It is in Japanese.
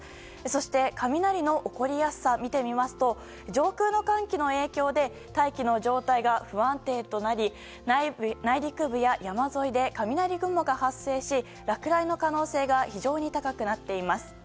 そしえ雷の起こりやすさを見ると上空の寒気の影響で大気の状態が不安定となり内陸部や山沿いで雷雲が発生し落雷の可能性が非常に高くなっています。